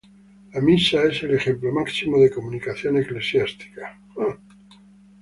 La misa es el ejemplo máximo de comunicación eclesiástica.